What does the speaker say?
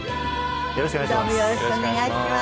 よろしくお願いします。